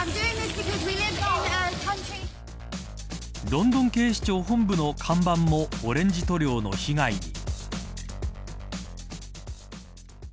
ロンドン警視庁本部の看板もオレンジ塗料の被害に。